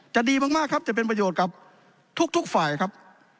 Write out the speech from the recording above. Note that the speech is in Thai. ดีมากครับจะเป็นประโยชน์กับทุกฝ่ายครับ